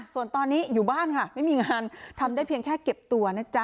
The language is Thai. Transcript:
ส่วนตอนนี้อยู่บ้านค่ะไม่มีงานทำได้เพียงแค่เก็บตัวนะจ๊ะ